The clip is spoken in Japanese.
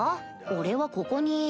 俺はここに